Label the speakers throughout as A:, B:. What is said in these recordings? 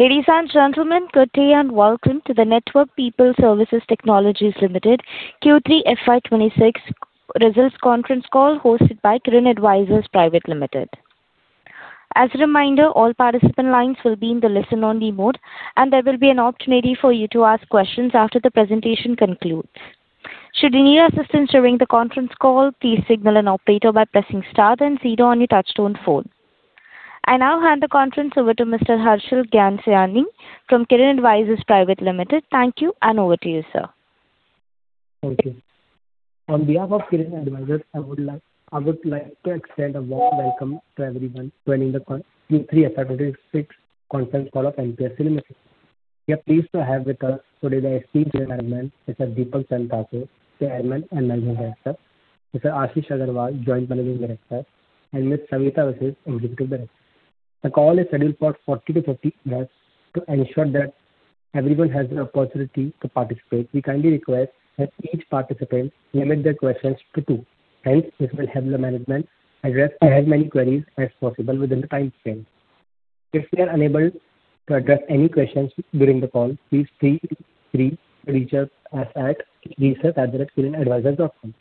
A: Ladies and gentlemen, good day and welcome to the Network People Services Technologies Limited, Q3 FY 2026 results conference call, hosted by Kirin Advisors Private Limited. As a reminder, all participant lines will be in the listen only mode, and there will be an opportunity for you to ask questions after the presentation concludes. Should you need assistance during the conference call, please signal an operator by pressing star then zero on your touchtone phone. I now hand the conference over to Mr. Harshil Ghanshyani from Kirin Advisors Private Limited. Thank you, and over to you, sir.
B: Thank you. On behalf of Kirin Advisors, I would like, I would like to extend a warm welcome to everyone joining the Q3 FY 2026 conference call of NPST Limited. We are pleased to have with us today the esteemed Chairman, Mr. Deepak Chand Thakur, the Chairman and Managing Director, Mr. Ashish Aggarwal, Joint Managing Director, and Ms. Savita Vashist, Executive Director. The call is scheduled for 40-50 minutes. To ensure that everyone has an opportunity to participate, we kindly request that each participant limit their questions to two, and this will help the management address as many queries as possible within the time frame. If we are unable to address any questions during the call, please feel free to reach us at research@kirinadvisors.com.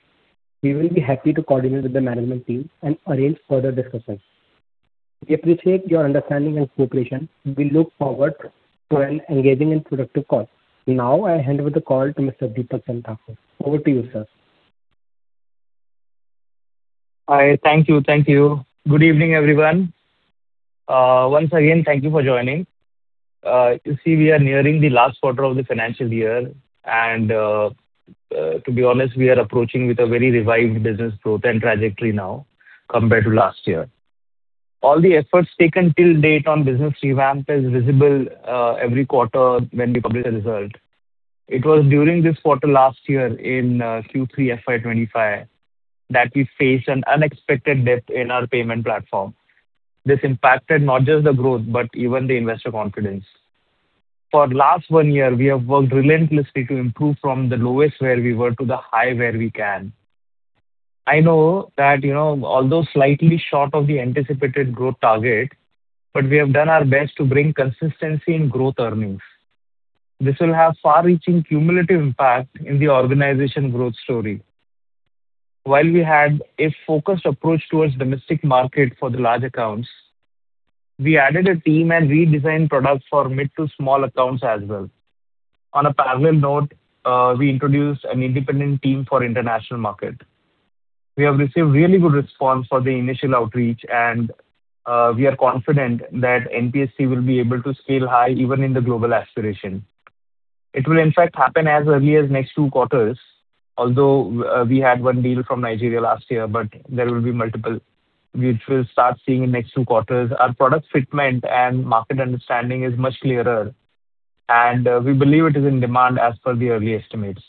B: We will be happy to coordinate with the management team and arrange further discussions. We appreciate your understanding and cooperation. We look forward to an engaging and productive call. Now I hand over the call to Mr. Deepak Chand Thakur. Over to you, sir.
C: Hi. Thank you. Thank you. Good evening, everyone. Once again, thank you for joining. You see, we are nearing the last quarter of the financial year, and to be honest, we are approaching with a very revived business growth and trajectory now compared to last year. All the efforts taken till date on business revamp is visible every quarter when we publish the result. It was during this quarter last year, in Q3 FY 2025, that we faced an unexpected dip in our payment platform. This impacted not just the growth, but even the investor confidence. For last one year, we have worked relentlessly to improve from the lowest where we were to the high where we can. I know that, you know, although slightly short of the anticipated growth target, but we have done our best to bring consistency in growth earnings. This will have far-reaching cumulative impact in the organization growth story. While we had a focused approach towards domestic market for the large accounts, we added a team and redesigned products for mid to small accounts as well. On a parallel note, we introduced an independent team for international market. We have received really good response for the initial outreach, and, we are confident that NPST will be able to scale high even in the global aspiration. It will, in fact, happen as early as next two quarters, although, we had one deal from Nigeria last year, but there will be multiple, which we'll start seeing in next two quarters. Our product fitment and market understanding is much clearer, and, we believe it is in demand as per the early estimates.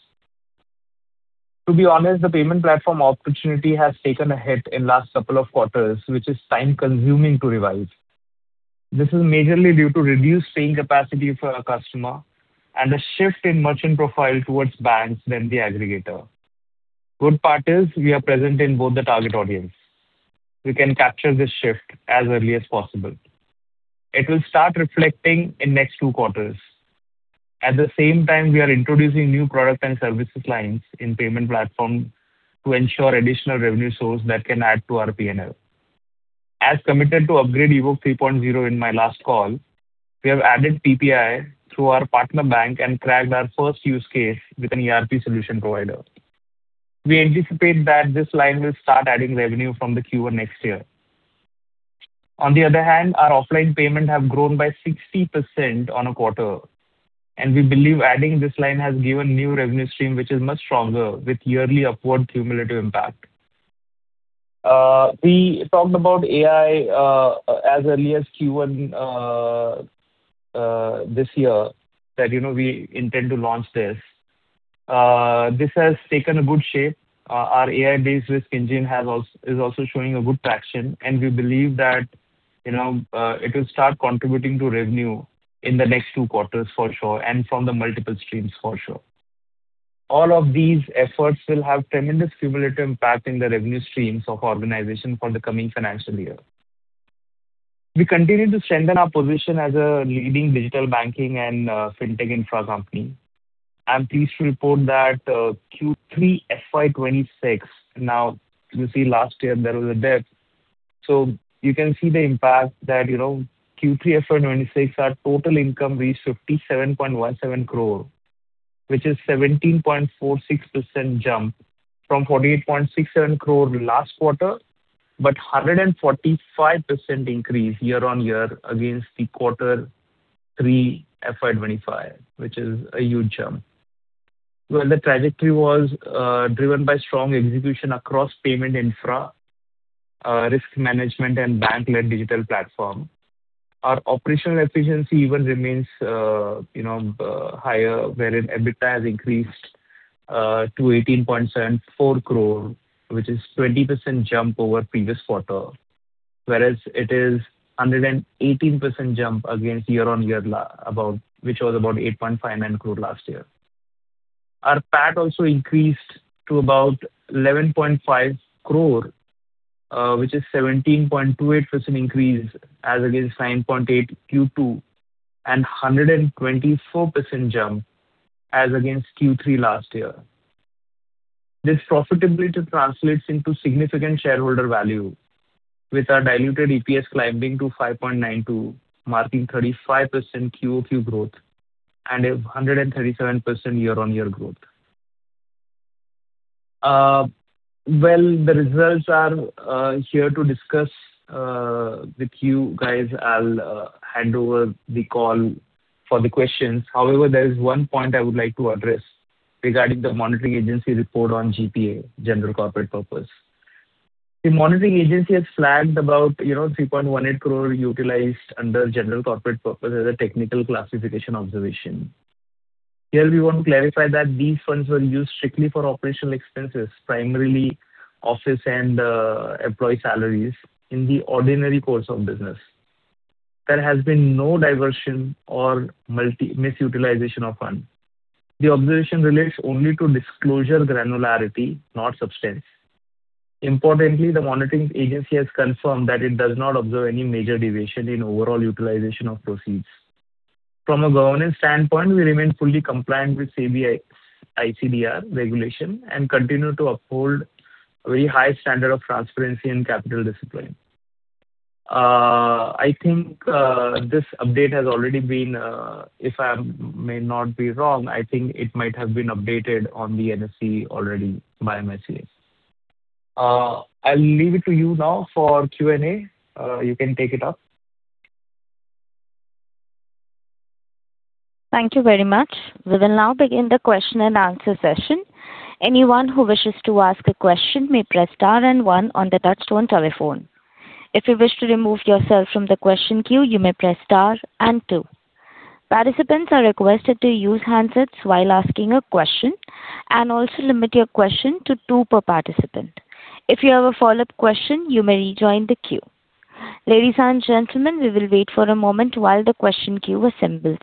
C: To be honest, the payment platform opportunity has taken a hit in last couple of quarters, which is time consuming to revive. This is majorly due to reduced paying capacity for our customer and a shift in merchant profile towards banks than the aggregator. Good part is, we are present in both the target audience. We can capture this shift as early as possible. It will start reflecting in next 2 quarters. At the same time, we are introducing new product and services lines in payment platform to ensure additional revenue source that can add to our P&L. As committed to upgrade Evok 3.0 in my last call, we have added PPI through our partner bank and cracked our first use case with an ERP solution provider. We anticipate that this line will start adding revenue from the Q1 next year. On the other hand, our offline payment have grown by 60% on a quarter, and we believe adding this line has given new revenue stream, which is much stronger, with yearly upward cumulative impact. We talked about AI this year, that, you know, we intend to launch this. This has taken a good shape. Our AI-based risk engine has also is also showing a good traction, and we believe that, you know, it will start contributing to revenue in the next two quarters for sure, and from the multiple streams for sure. All of these efforts will have tremendous cumulative impact in the revenue streams of organization for the coming financial year. We continue to strengthen our position as a leading digital banking and fintech infra company. I'm pleased to report that, Q3 FY 2026, now, you see last year there was a dip, so you can see the impact that, you know, Q3 FY 2026, our total income reached 57.17 crore, which is 17.46% jump from 48.67 crore last quarter, but 145% increase year-on-year against the quarter 3 FY 2025, which is a huge jump. Well, the trajectory was, driven by strong execution across payment infra, risk management, and bank-led digital platform. Our operational efficiency even remains, you know, higher, wherein EBITDA has increased, to 18.74 crore, which is 20% jump over previous quarter. Whereas it is 118% jump against year-on-year, about, which was about 8.59 crore last year. Our PAT also increased to about 11.5 crore, which is 17.28% increase as against 9.8 Q2, and 124% jump as against Q3 last year. This profitability translates into significant shareholder value, with our diluted EPS climbing to 5.92, marking 35% QoQ growth and a 137% year-on-year growth. Well, the results are here to discuss with you guys. I'll hand over the call for the questions. However, there is one point I would like to address regarding the Monitoring Agency report on GCP, General Corporate Purpose. The Monitoring Agency has flagged about, you know, 3.18 crore utilized under General Corporate Purpose as a technical classification observation. Here, we want to clarify that these funds were used strictly for operational expenses, primarily office and employee salaries in the ordinary course of business. There has been no diversion or misutilization of funds. The observation relates only to disclosure granularity, not substance. Importantly, the Monitoring Agency has confirmed that it does not observe any major deviation in overall utilization of proceeds. From a governance standpoint, we remain fully compliant with SEBI ICDR regulation and continue to uphold a very high standard of transparency and capital discipline. I think, this update has already been, if I may not be wrong, I think it might have been updated on the NSE already by MA. I'll leave it to you now for Q&A. You can take it up.
A: Thank you very much. We will now begin the question and answer session. Anyone who wishes to ask a question may press star and one on the touchtone telephone. If you wish to remove yourself from the question queue, you may press star and two. Participants are requested to use handsets while asking a question, and also limit your question to two per participant. If you have a follow-up question, you may rejoin the queue. Ladies and gentlemen, we will wait for a moment while the question queue assembles.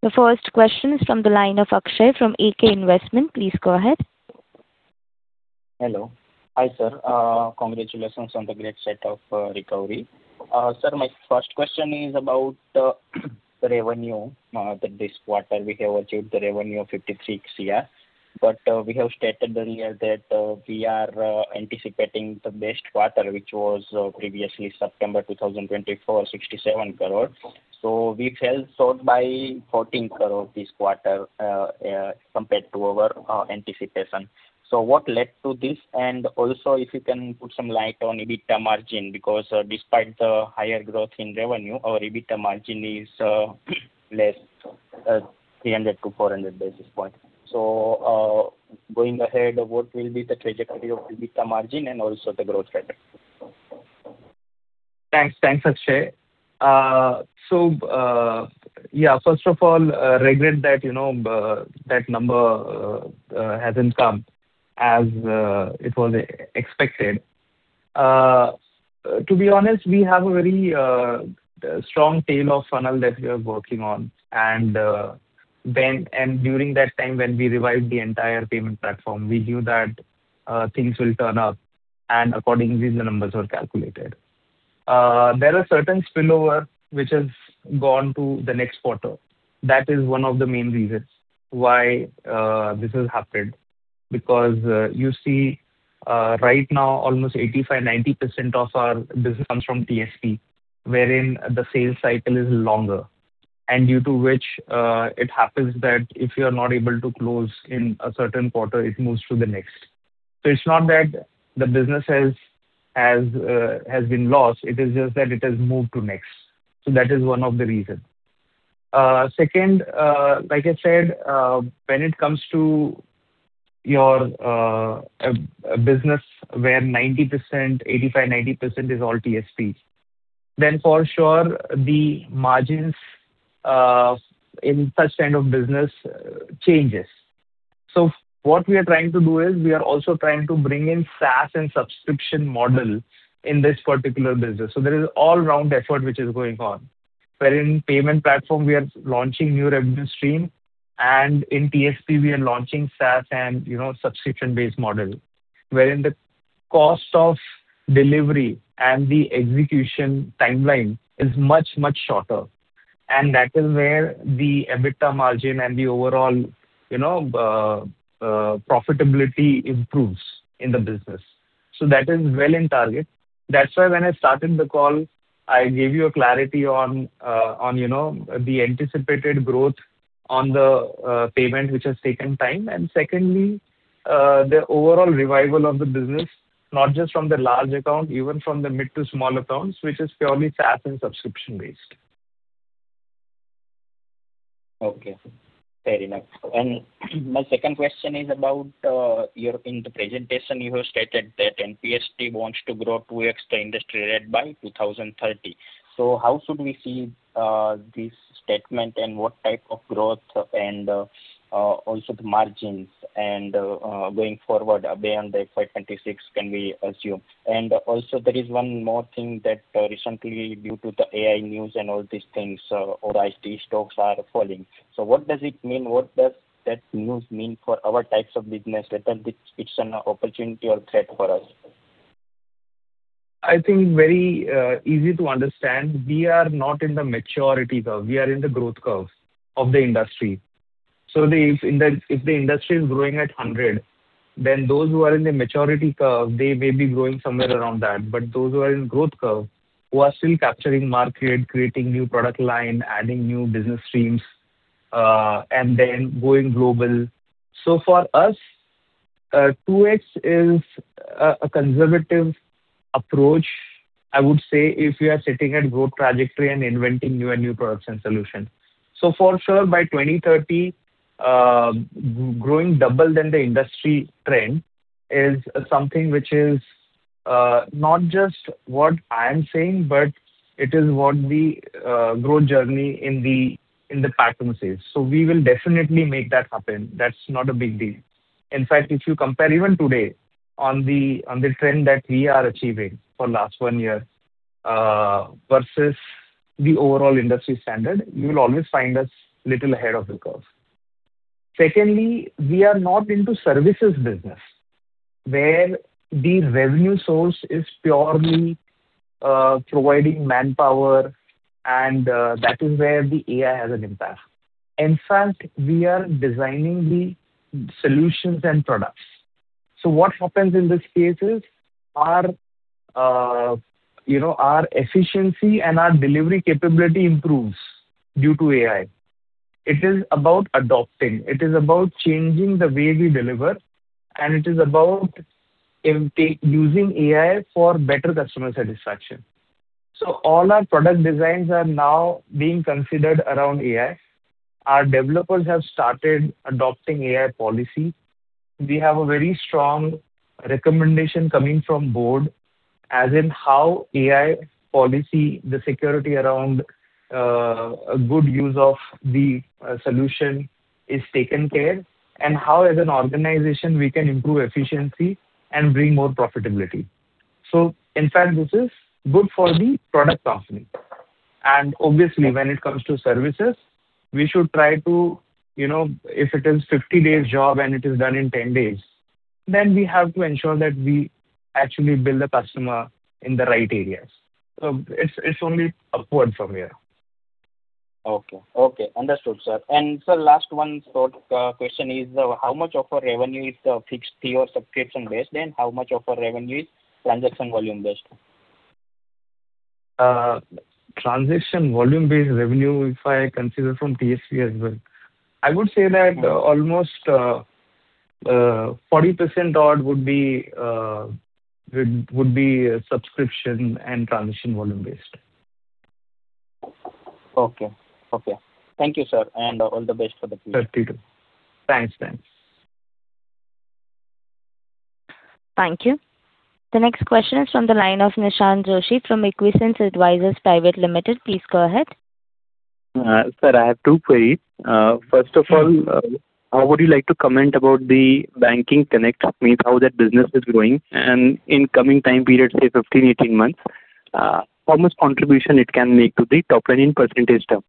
A: The first question is from the line of Akshay from AK Investment. Please go ahead.
D: Hello. Hi, sir. Congratulations on the great set of recovery. Sir, my first question is about the revenue. This quarter, we have achieved the revenue of 56 crore, but we have stated earlier that we are anticipating the best quarter, which was previously September 2024, 67 crore. So we fell short by 14 crore this quarter compared to our anticipation. So what led to this? And also, if you can put some light on EBITDA margin, because despite the higher growth in revenue, our EBITDA margin is less 300-400 basis points. So going ahead, what will be the trajectory of EBITDA margin and also the growth rate?
C: Thanks. Thanks, Akshay. So, yeah, first of all, regret that, you know, that number hasn't come as it was expected. To be honest, we have a very strong tail of funnel that we are working on. And then, during that time, when we revived the entire payment platform, we knew that things will turn up, and accordingly, the numbers were calculated. There are certain spillover which has gone to the next quarter. That is one of the main reasons why this has happened. Because, you see, right now, almost 85%-90% of our business comes from TSP, wherein the sales cycle is longer, and due to which, it happens that if you are not able to close in a certain quarter, it moves to the next. So it's not that the business has been lost, it is just that it has moved to next. So that is one of the reasons. Second, like I said, when it comes to your business where 90%, 85, 90% is all TSPs, then for sure, the margins in such kind of business changes. So what we are trying to do is, we are also trying to bring in SaaS and subscription model in this particular business. So there is all-round effort which is going on, wherein payment platform, we are launching new revenue stream, and in TSP we are launching SaaS and, you know, subscription-based model, wherein the cost of delivery and the execution timeline is much, much shorter, and that is where the EBITDA margin and the overall, you know, profitability improves in the business. So that is well in target. That's why when I started the call, I gave you a clarity on, you know, the anticipated growth on the payment, which has taken time. And secondly, the overall revival of the business, not just from the large account, even from the mid to small accounts, which is purely SaaS and subscription-based.
D: Okay, fair enough. And my second question is about, in the presentation, you have stated that NPST wants to grow 2x industry rate by 2030. So how should we see this statement, and what type of growth and also the margins and going forward beyond the FY 2026 can be assumed? And also, there is one more thing that recently, due to the AI news and all these things, all IT stocks are falling. So what does it mean? What does that news mean for our types of business? Whether it's an opportunity or threat for us?
C: I think very easy to understand. We are not in the maturity curve, we are in the growth curve of the industry. So if the industry is growing at 100, then those who are in the maturity curve, they may be growing somewhere around that. But those who are in growth curve, who are still capturing market, creating new product line, adding new business streams, and then going global. So for us, 2x is a conservative approach, I would say, if we are sitting at growth trajectory and inventing new and new products and solutions. So for sure, by 2030, growing double than the industry trend is something which is not just what I am saying, but it is what the growth journey in the pattern says. So we will definitely make that happen. That's not a big deal. In fact, if you compare even today on the, on the trend that we are achieving for last one year, versus the overall industry standard, you will always find us little ahead of the curve. Secondly, we are not into services business, where the revenue source is purely, providing manpower, and that is where the AI has an impact. In fact, we are designing the solutions and products. So what happens in this case is our, you know, our efficiency and our delivery capability improves due to AI. It is about adopting, it is about changing the way we deliver, and it is about using AI for better customer satisfaction. So all our product designs are now being considered around AI. Our developers have started adopting AI policy. We have a very strong recommendation coming from board, as in how AI policy, the security around, a good use of the solution is taken care, and how, as an organization, we can improve efficiency and bring more profitability. So in fact, this is good for the product company. And obviously, when it comes to services, we should try to, you know, if it is 50 days job and it is done in 10 days, then we have to ensure that we actually bill the customer in the right areas. So it's only upward from here.
D: Okay. Okay, understood, sir. Sir, last one short question is: How much of our revenue is fixed fee or subscription-based, and how much of our revenue is transaction volume-based?
C: Transaction volume-based revenue, if I consider from TSP as well, I would say that almost 40% odd would be subscription and transaction volume-based.
D: Okay. Okay. Thank you, sir, and all the best for the future.
C: 32. Thanks, thanks.
A: Thank you. The next question is from the line of Nishant Joshi, from Equisense Advisors Private Limited. Please go ahead.
E: Sir, I have two queries. First of all, how would you like to comment about the Banking Connect, means how that business is growing? And in coming time period, say, 15, 18 months, how much contribution it can make to the top line in percentage terms?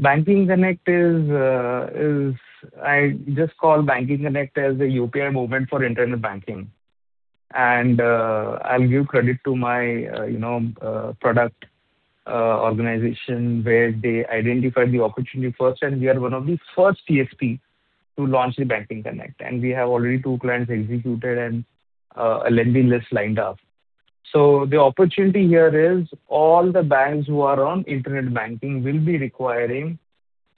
C: Banking Connect is. I just call Banking Connect as a UPI movement for internet banking. I'll give credit to my, you know, product organization, where they identified the opportunity first, and we are one of the first TSPs to launch the Banking Connect, and we have already two clients executed and a lengthy list lined up. So the opportunity here is all the banks who are on internet banking will be requiring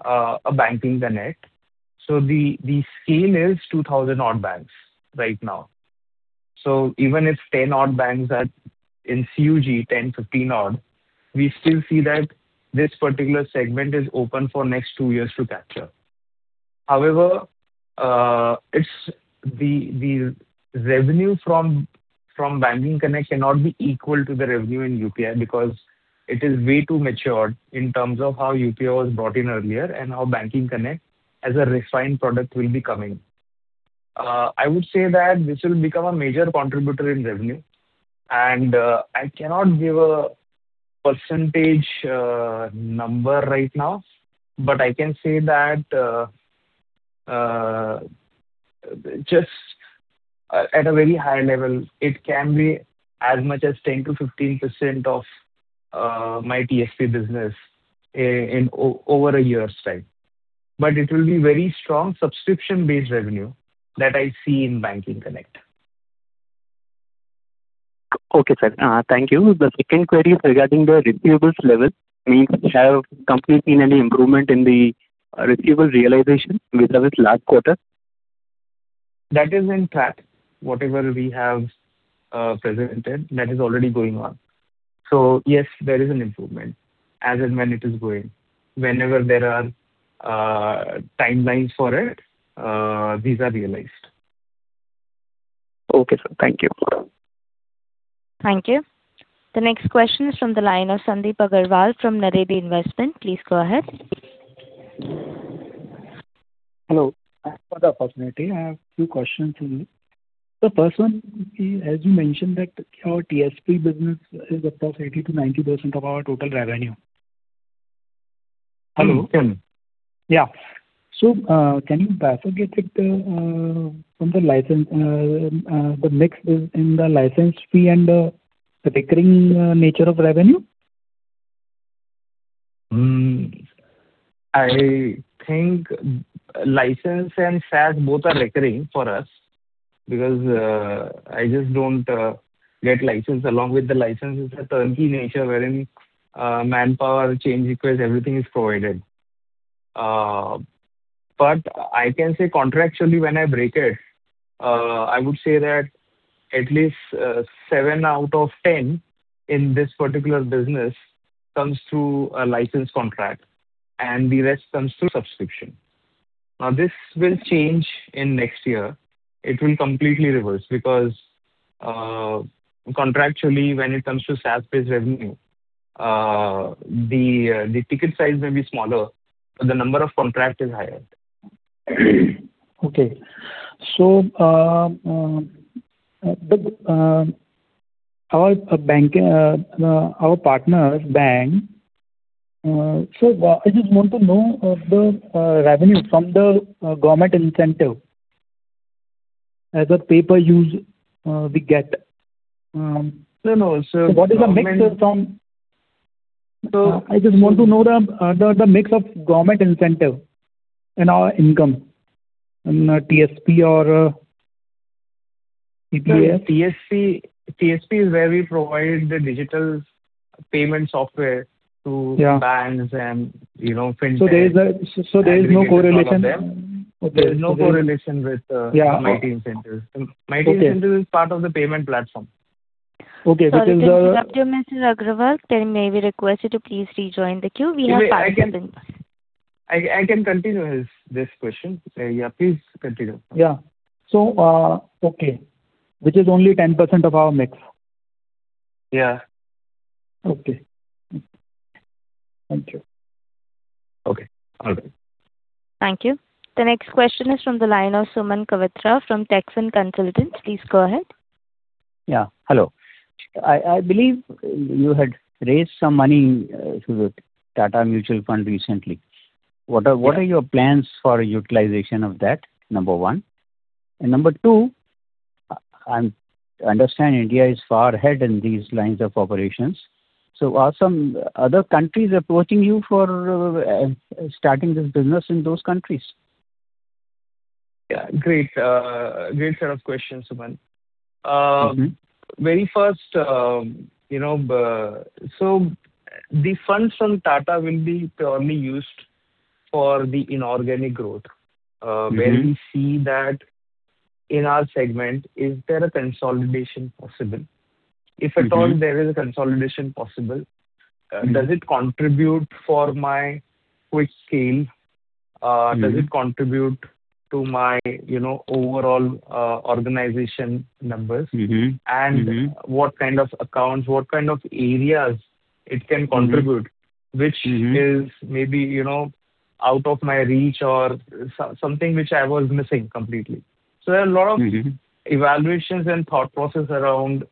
C: a Banking Connect. So the scale is 2,000 odd banks right now. So even if 10 odd banks are in CUG, 10, 15 odd, we still see that this particular segment is open for next two years to capture. However, it's the revenue from Banking Connect cannot be equal to the revenue in UPI, because it is way too matured in terms of how UPI was brought in earlier and how Banking Connect, as a refined product, will be coming. I would say that this will become a major contributor in revenue, and I cannot give a percentage number right now, but I can say that just at a very high level, it can be as much as 10%-15% of my TSP business in over a year's time. But it will be very strong subscription-based revenue that I see in Banking Connect.
E: Okay, sir. Thank you. The second query is regarding the receivables level, means have company seen any improvement in the receivable realization vis-a-vis last quarter?
C: That is in fact, whatever we have presented, that is already going on. So yes, there is an improvement as and when it is going. Whenever there are timelines for it, these are realized.
E: Okay, sir. Thank you.
A: Thank you. The next question is from the line of Sandeep Aggarwal from Naredi Investments. Please go ahead.
F: Hello. Thanks for the opportunity. I have two questions for you. The first one is, as you mentioned that your TSP business is approx 80%-90% of our total revenue. Hello?
C: Yes.
F: Yeah. So, can you break it with the, from the license, the mix in the license fee and, the recurring nature of revenue?
C: Hmm, I think license and SaaS both are recurring for us because I just don't get license. Along with the license is a turnkey nature wherein manpower, change request, everything is provided. But I can say contractually, when I break it, I would say that at least seven out of ten in this particular business comes through a license contract, and the rest comes through subscription. Now, this will change in next year. It will completely reverse because contractually, when it comes to SaaS-based revenue, the ticket size may be smaller, but the number of contracts is higher.
F: Okay. So, our banking, our partner bank, so I just want to know, the revenue from the government incentive as a pay per use, we get-
C: No, no, sir-
F: What is the mix from.
C: So-
F: I just want to know the mix of government incentive in our income, in TSP or TPS.
C: TSP, TSP is where we provide the digital payment software to-
F: Yeah.
C: Banks and, you know, fintech.
F: So there is no correlation?
C: There is no correlation with,
F: Yeah.
C: My incentive.
F: Okay.
C: My incentive is part of the payment platform.
F: Okay. This is-
A: Sorry, we have here Mr. Aggarwal. May I request you to please rejoin the queue? We are parsing.
C: I can continue this question. Yeah, please continue.
F: Yeah. So, okay, which is only 10% of our mix.
C: Yeah.
F: Okay. Thank you. Okay, all right.
A: Thank you. The next question is from the line of Suman Kawatra from Techfin Consultants. Please go ahead.
G: Yeah. Hello. I believe you had raised some money through the Tata Mutual Fund recently. What are-
C: Yeah.
G: What are your plans for utilization of that? Number one. Number two, I understand India is far ahead in these lines of operations, so are some other countries approaching you for starting this business in those countries?
C: Yeah, great, great set of questions, Suman.
G: Mm-hmm.
C: Very first, you know, so the funds from Tata will be primarily used for the inorganic growth.
G: Mm-hmm.
C: Where we see that in our segment, is there a consolidation possible?
G: Mm-hmm.
C: If at all there is a consolidation possible-
G: Mm-hmm.
C: Does it contribute for my quick scale?
G: Mm-hmm.
C: Does it contribute to my, you know, overall organization numbers?
G: Mm-hmm, mm-hmm.
C: What kind of accounts, what kind of areas it can contribute-
G: Mm-hmm
C: Which is maybe, you know, out of my reach or so, something which I was missing completely.
G: Mm-hmm.
C: There are a lot of evaluations and thought process around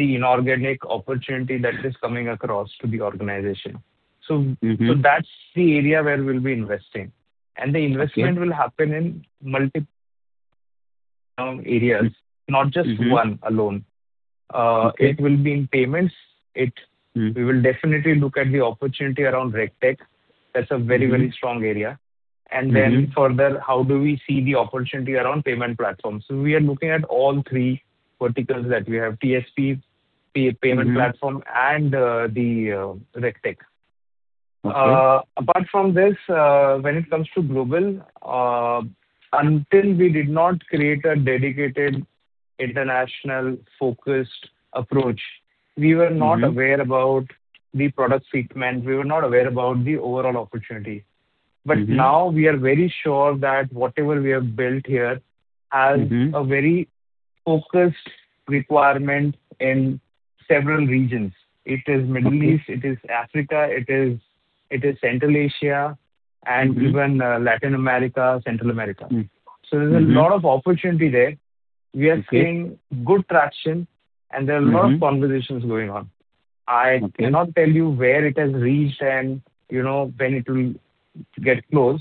C: the inorganic opportunity that is coming across to the organization.
G: Mm-hmm.
C: That's the area where we'll be investing.
G: Okay.
C: The investment will happen in multiple areas-
G: Mm-hmm
C: Not just one alone.
G: Okay.
C: It will be in payments.
G: Mm.
C: We will definitely look at the opportunity around RegTech.
G: Mm-hmm.
C: That's a very, very strong area.
G: Mm-hmm.
C: Then further, how do we see the opportunity around payment platforms? So we are looking at all three verticals that we have, TSP, PA, payment platform-
G: Mm-hmm
C: And the RegTech.
G: Okay.
C: Apart from this, when it comes to global, until we did not create a dedicated international focused approach, we were not-
G: Mm-hmm
C: Aware about the product segment, we were not aware about the overall opportunity.
G: Mm-hmm.
C: But now we are very sure that whatever we have built here-
G: Mm-hmm
C: Has a very focused requirement in several regions.
G: Okay.
C: It is Middle East, it is Africa, it is Central Asia-
G: Mm-hmm
C: And even, Latin America, Central America.
G: Mm-hmm.
C: There's a lot of opportunity there.
G: Okay.
C: We are seeing good traction.
G: Mm-hmm
C: And there are a lot of conversations going on.
G: Okay.
C: I cannot tell you where it has reached and, you know, when it will get close.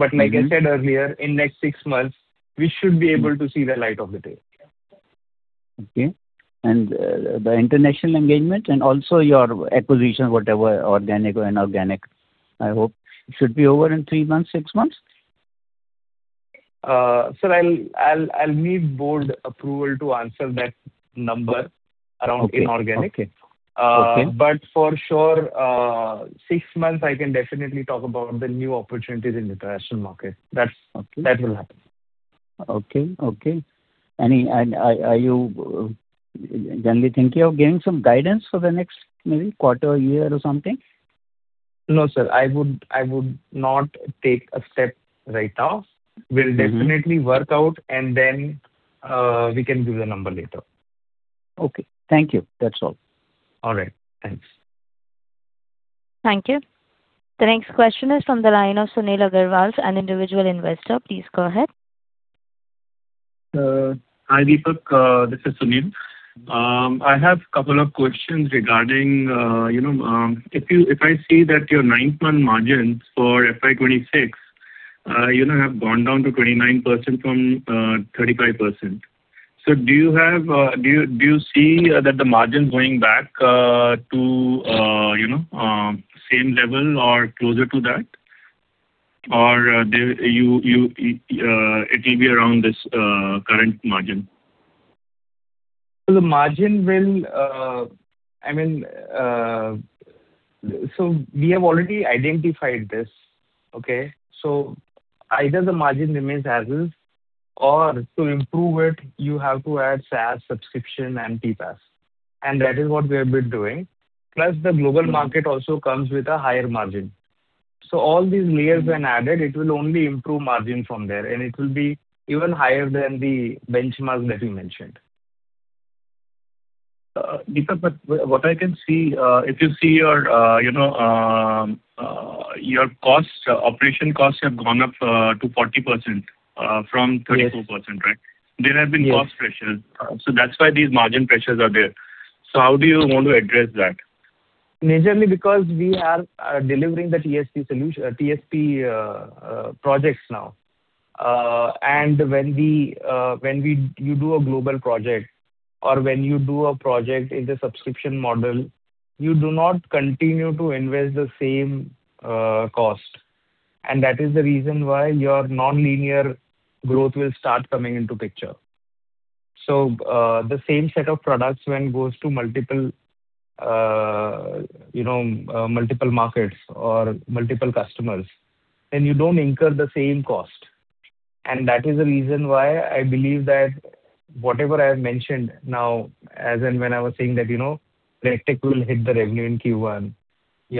G: Mm-hmm.
C: Like I said earlier, in next six months, we should be able to see the light of the day.
G: Okay. The international engagement and also your acquisition, whatever, organic or inorganic, I hope should be over in 3 months, 6 months?
C: So I'll need board approval to answer that number around inorganic.
G: Okay, okay.
C: For sure, six months I can definitely talk about the new opportunities in the international market. That's-
G: Okay.
C: That will happen.
G: Okay, okay. And are you generally thinking of giving some guidance for the next maybe quarter, year, or something?
C: No, sir, I would not take a step right now.
G: Mm-hmm.
C: We'll definitely work out and then, we can give the number later.
G: Okay. Thank you. That's all.
C: All right. Thanks.
A: Thank you. The next question is from the line of Sunil Agarwal, an individual investor. Please go ahead.
H: Hi, Deepak. This is Sunil. I have a couple of questions regarding, you know, if I see that your nine-month margins for FY 2026, you know, have gone down to 29% from 35%. So do you see that the margin going back to, you know, same level or closer to that? Or, it will be around this current margin?
C: I mean, so we have already identified this, okay? So either the margin remains as is, or to improve it, you have to add SaaS, subscription, and TPAP. And that is what we have been doing, plus the global market also comes with a higher margin. So all these layers when added, it will only improve margin from there, and it will be even higher than the benchmark that you mentioned.
H: Deepak, but what I can see, if you see your, you know, your operation costs have gone up to 40% from 34%, right?
C: Yes.
H: There have been cost pressures.
C: Yes.
H: That's why these margin pressures are there. How do you want to address that?
C: Majorly, because we are delivering the TSP solution, TSP projects now. And when we do a global project or when you do a project in the subscription model, you do not continue to invest the same cost, and that is the reason why your nonlinear growth will start coming into picture. So, the same set of products when goes to multiple, you know, multiple markets or multiple customers, then you don't incur the same cost. And that is the reason why I believe that whatever I have mentioned now, as in when I was saying that, you know, RegTech will hit the revenue in Q1,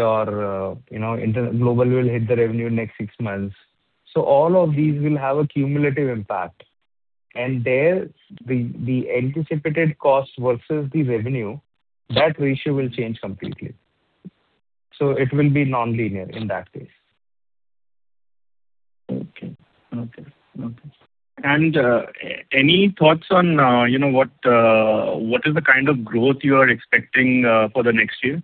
C: our international will hit the revenue in next six months. So all of these will have a cumulative impact, and there, the anticipated cost versus the revenue, that ratio will change completely. So it will be nonlinear in that case.
H: Okay. Okay, okay. And, any thoughts on, you know, what, what is the kind of growth you are expecting, for the next year?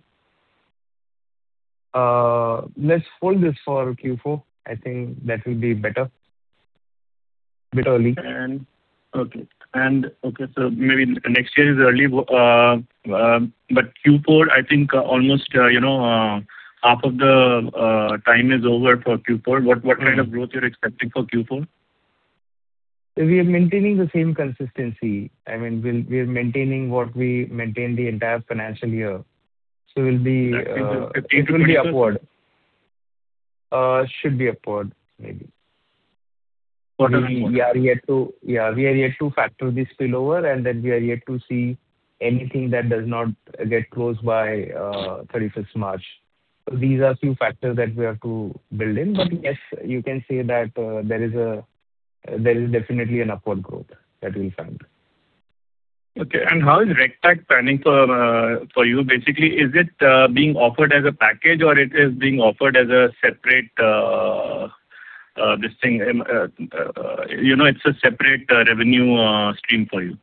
C: Let's hold this for Q4. I think that will be better. Bit early.
H: Okay. And okay, so maybe next year is early, but Q4, I think almost, you know, half of the time is over for Q4.
C: Mm-hmm.
H: What, what kind of growth you're expecting for Q4?
C: We are maintaining the same consistency. I mean, we'll, we are maintaining what we maintained the entire financial year. So we'll be,
H: That means 50%?
C: It will be upward. Should be upward, maybe.
H: What are the-
C: We are yet to factor the spillover, and then we are yet to see anything that does not get closed by thirty-first March. So these are a few factors that we have to build in. But yes, you can say that there is definitely an upward growth that we found.
H: Okay. And how is RegTech planning for you? Basically, is it being offered as a package, or it is being offered as a separate this thing, you know, it's a separate revenue stream for you?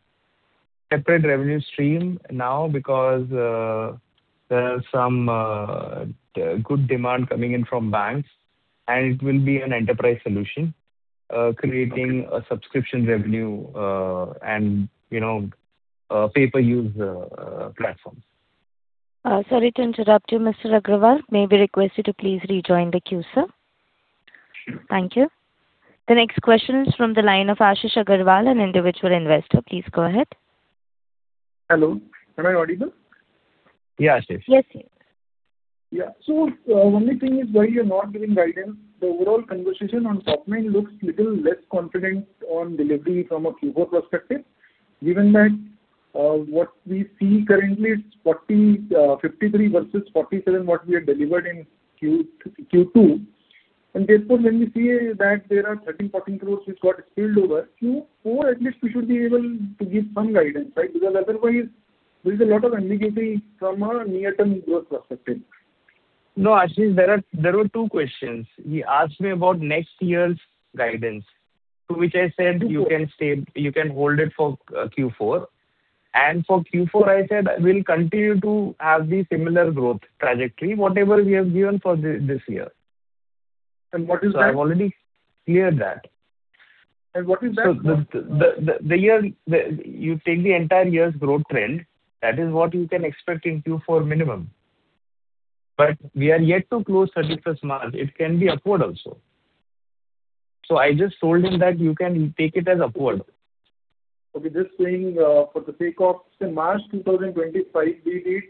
C: Separate revenue stream now because there are some good demand coming in from banks, and it will be an enterprise solution.
H: Okay.
C: Creating a subscription revenue, and, you know, pay-per-use platforms.
A: Sorry to interrupt you, Mr. Aggarwal. May we request you to please rejoin the queue, sir?
H: Sure.
A: Thank you. The next question is from the line of Ashish Aggarwal, an individual investor. Please go ahead.
I: Hello, am I audible?
C: Yeah, Ashish.
A: Yes, yes.
I: Yeah. So, only thing is why you are not giving guidance. The overall conversation on top line looks little less confident on delivery from a Q4 perspective, given that, what we see currently is 40, 53 versus 47, what we had delivered in Q2. And therefore, when we see that there are 13-14 crore which got spilled over to Q4, at least we should be able to give some guidance, right? Because otherwise, there is a lot of ambiguity from a near-term growth perspective.
C: No, Ashish, there were two questions. He asked me about next year's guidance, to which I said-
I: Mm-hmm.
C: You can stay, you can hold it for Q4. For Q4, I said we'll continue to have the similar growth trajectory, whatever we have given for this year.
I: What is that?
C: I've already cleared that.
I: What is that-
C: So the year, you take the entire year's growth trend, that is what you can expect in Q4 minimum. But we are yet to close thirty-first March. It can be upward also. So I just told him that you can take it as upward.
I: Okay, just saying, for the sake of, say, March 2025, we did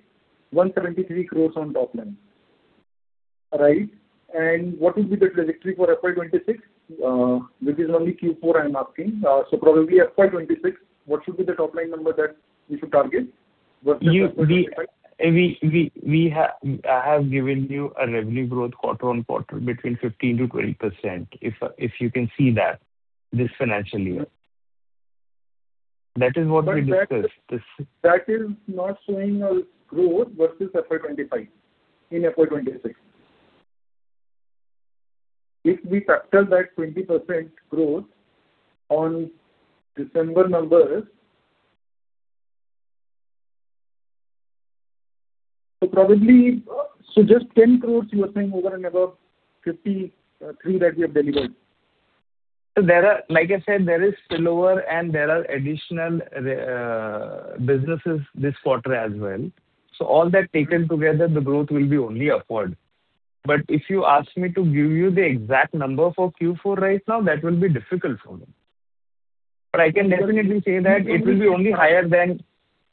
I: 173 crore on top line. Right? And what will be the trajectory for FY 2026? This is only Q4 I'm asking. So probably FY 2026, what should be the top line number that we should target? What-
C: I have given you a revenue growth quarter-on-quarter between 15%-20%, if, if you can see that, this financial year. That is what we discussed. This-
I: That is not showing a growth versus FY 2025, in FY 2026. If we factor that 20% growth on December numbers... So probably, so just 10 crore you are saying over and above 53 crore that we have delivered?
C: There are—like I said, there is spillover and there are additional businesses this quarter as well. So all that taken together, the growth will be only upward. But if you ask me to give you the exact number for Q4 right now, that will be difficult for me. But I can definitely say that it will be only higher than,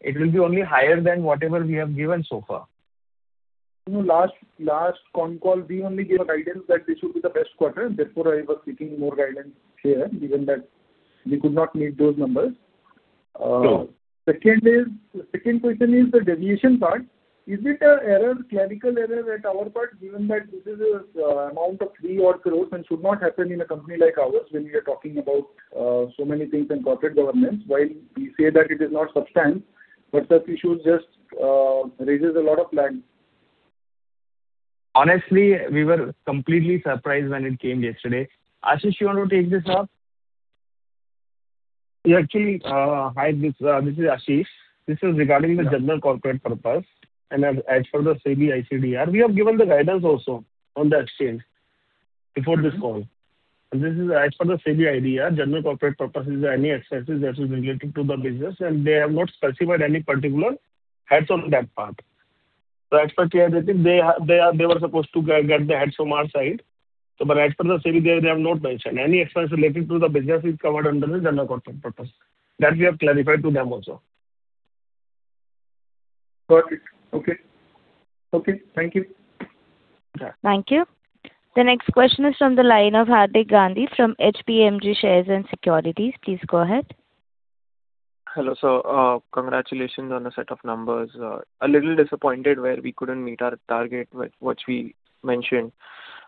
C: it will be only higher than whatever we have given so far.
I: In the last, last con call, we only gave a guidance that this would be the best quarter. Therefore, I was seeking more guidance here, given that we could not meet those numbers.
C: No.
I: Second is, second question is the deviation part. Is it an error, clerical error at our part, given that this is an amount of 3 odd crores and should not happen in a company like ours, when we are talking about so many things in corporate governance. While we say that it is not substance, but that issue just raises a lot of flags.
C: Honestly, we were completely surprised when it came yesterday. Ashish, you want to take this up?
J: Yeah, actually, hi, this is Ashish. This is regarding the General Corporate Purpose, and as for the SEBI ICDR, we have given the guidance also on the exchange before this call. And this is as for the SEBI ICDR, General Corporate Purpose is any expenses that is relating to the business, and they have not specified any particular heads on that part. So as per I think they are, they were supposed to get the heads from our side. So but as for the SEBI, they have not mentioned. Any expense relating to the business is covered under the General Corporate Purpose. That we have clarified to them also.
I: Got it. Okay. Okay, thank you.
C: Yeah.
A: Thank you. The next question is from the line of Hardik Gandhi, from HPMG Shares and Securities. Please go ahead.
K: Hello, sir. Congratulations on the set of numbers. A little disappointed where we couldn't meet our target with what we mentioned.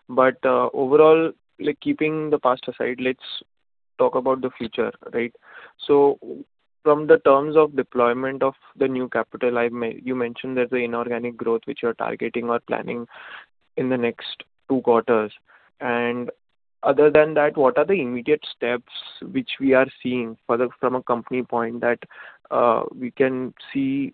K: But overall, like, keeping the past aside, let's talk about the future, right? So from the terms of deployment of the new capital, you mentioned there's the inorganic growth which you're targeting or planning in the next two quarters. And other than that, what are the immediate steps which we are seeing for the... from a company point that, we can see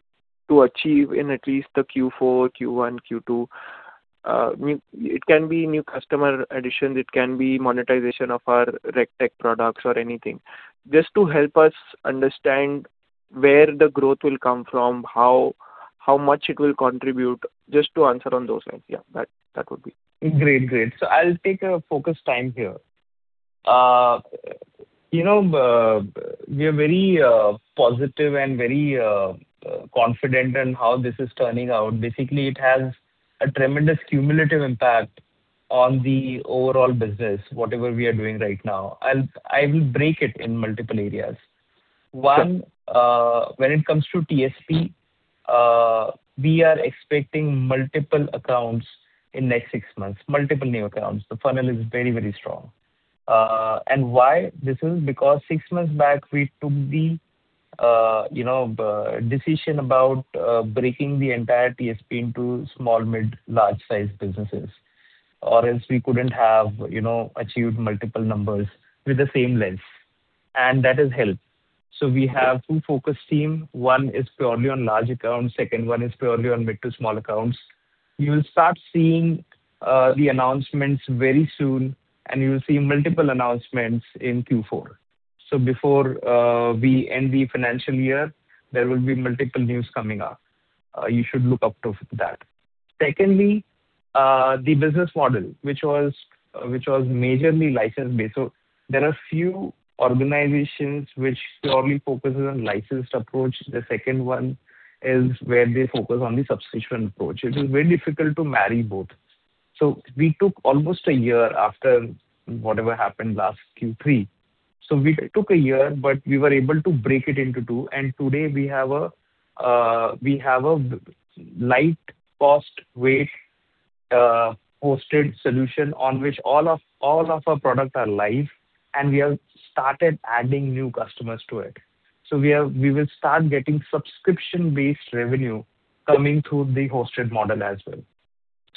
K: to achieve in at least the Q4, Q1, Q2? New, it can be new customer addition, it can be monetization of our RegTech products or anything. Just to help us understand where the growth will come from, how, how much it will contribute, just to answer on those lines. Yeah, that, that would be.
C: Great. Great. So I'll take a focus time here. You know, we are very positive and very confident in how this is turning out. Basically, it has a tremendous cumulative impact on the overall business, whatever we are doing right now. I will break it in multiple areas.
K: Sure.
C: One, when it comes to TSP, we are expecting multiple accounts in next six months, multiple new accounts. The funnel is very, very strong. And why this is? Because six months back, we took the, you know, decision about, breaking the entire TSP into small, mid, large-sized businesses. Or else we couldn't have, you know, achieved multiple numbers with the same lens, and that has helped. So we have two focus team. One is purely on large accounts, second one is purely on mid to small accounts. You will start seeing, the announcements very soon, and you will see multiple announcements in Q4. So before, we end the financial year, there will be multiple news coming up. You should look up to that. Secondly, the business model, which was, which was majorly license-based. So there are few organizations which purely focuses on licensed approach. The second one is where they focus on the subscription approach. It is very difficult to marry both. So we took almost a year after whatever happened last Q3. So we took a year, but we were able to break it into two, and today we have a lightweight hosted solution on which all of our products are live, and we have started adding new customers to it. So we will start getting subscription-based revenue coming through the hosted model as well.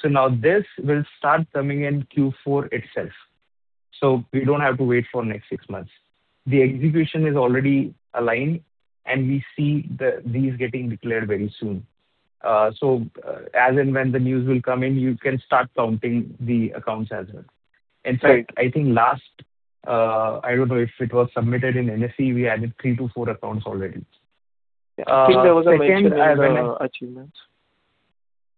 C: So now this will start coming in Q4 itself, so we don't have to wait for next six months. The execution is already aligned, and we see these getting declared very soon. As and when the news will come in, you can start counting the accounts as well.
K: Great.
C: In fact, I think last, I don't know if it was submitted in NSE, we added 3-4 accounts already.
K: I think there was a mention as achievements.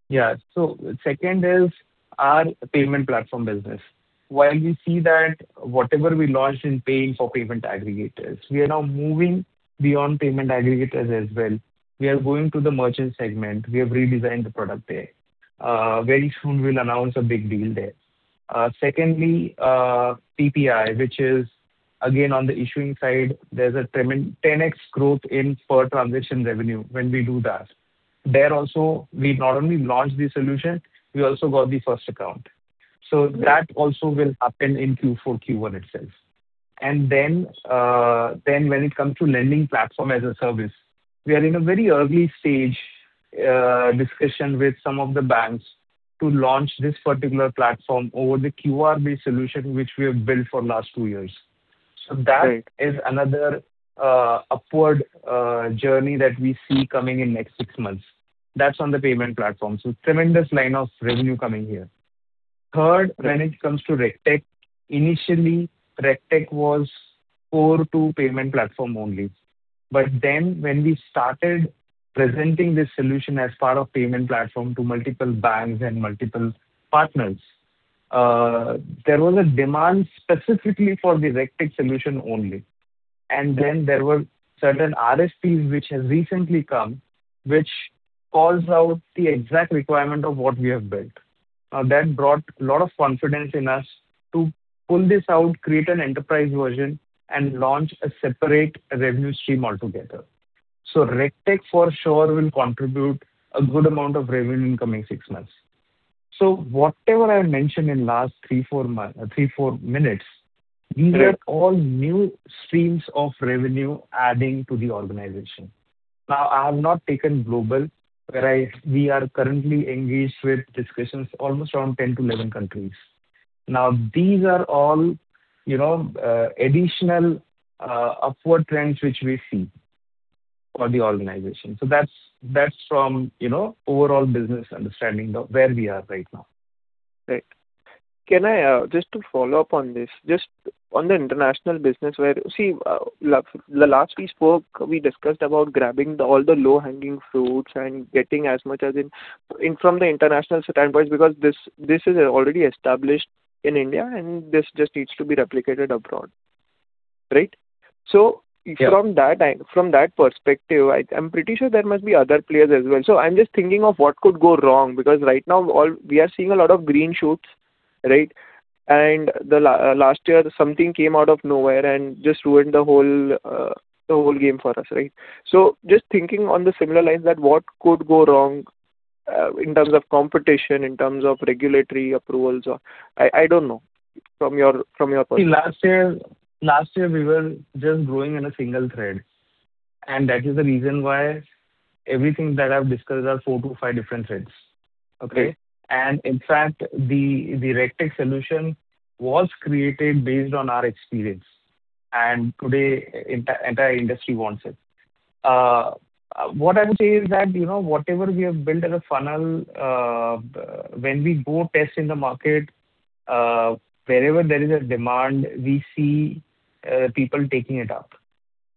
C: Yeah. So second is our payment platform business. While we see that whatever we launched in paying for payment aggregators, we are now moving beyond payment aggregators as well. We are going to the merchant segment. We have redesigned the product there. Very soon we'll announce a big deal there. Secondly, PPI, which is again, on the issuing side, there's a tremendous 10X growth in per transaction revenue when we do that. There also, we not only launched the solution, we also got the first account. So that also will happen in Q4, Q1 itself. And then, then when it comes to lending platform as a service, we are in a very early stage, discussion with some of the banks to launch this particular platform over the QR-based solution, which we have built for last 2 years. So that-
K: Right.
C: Is another, upward, journey that we see coming in next 6 months. That's on the payment platform, so tremendous line of revenue coming here. Third, when it comes to RegTech, initially, RegTech was core to payment platform only. But then when we started presenting this solution as part of payment platform to multiple banks and multiple partners, there was a demand specifically for the RegTech solution only. And then there were certain RFPs which has recently come, which calls out the exact requirement of what we have built. That brought a lot of confidence in us to pull this out, create an enterprise version, and launch a separate revenue stream altogether. So RegTech, for sure, will contribute a good amount of revenue in coming 6 months. So whatever I mentioned in last 3-4 minutes-
K: Right.
C: These are all new streams of revenue adding to the organization. Now, I have not taken global, whereas we are currently engaged with discussions almost around 10-11 countries. Now, these are all, you know, additional upward trends which we see for the organization. So that's, that's from, you know, overall business understanding of where we are right now.
K: Right. Can I just to follow up on this, just on the international business where... See, the last we spoke, we discussed about grabbing all the low-hanging fruits and getting as much as in from the international standpoint, because this, this is already established in India, and this just needs to be replicated abroad, right? So-
C: Yeah.
K: From that perspective, I, I'm pretty sure there must be other players as well. So I'm just thinking of what could go wrong, because right now, all, we are seeing a lot of green shoots, right? And the last year, something came out of nowhere and just ruined the whole, the whole game for us, right? So just thinking on the similar lines, that what could go wrong, in terms of competition, in terms of regulatory approvals or... I, I don't know, from your, from your perspective.
C: Last year, last year, we were just growing in a single thread, and that is the reason why everything that I've discussed are 4-5 different threads. Okay?
K: Right.
C: In fact, the RegTech solution was created based on our experience, and today, the entire industry wants it. What I would say is that, you know, whatever we have built as a funnel, when we go test in the market, wherever there is a demand, we see people taking it up,